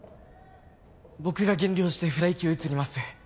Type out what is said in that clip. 僕が減量してフライ級移ります。